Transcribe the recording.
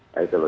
nah itu lho